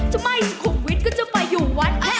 ถ้าไม่สุขุมวิทย์ก็จะไปอยู่วัน